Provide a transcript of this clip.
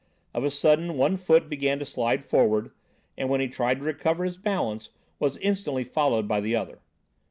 Of a sudden, one foot began to slide forward, and when he tried to recover his balance, was instantly followed by the other.